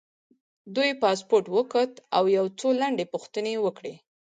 دوی پاسپورټ وکوت او یو څو لنډې پوښتنې یې وکړې.